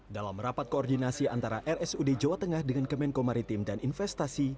dalam rapat koordinasi antara rsud jawa tengah dengan kemenko maritim dan investasi